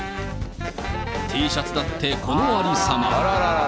Ｔシャツだってこのありさま。